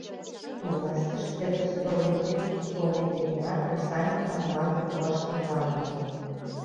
Властьыш Пӧтыр Столыпин толмеке гына кресаньыклан мландым пуаш тӱҥалыныт.